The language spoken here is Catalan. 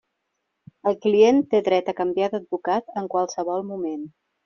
El client té dret a canviar d'advocat en qualsevol moment.